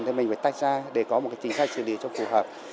thì mình phải tách ra để có một cái chính sách xử lý cho phù hợp